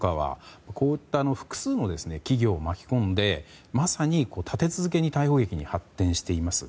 こういった複数の企業を巻き込んでまさに、立て続けに逮捕劇に発展しています。